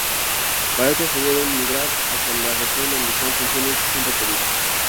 Para esto deben migrar hacia le región donde estas funciones son requeridas.